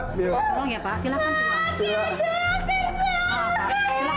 tolong ya pak silahkan keluar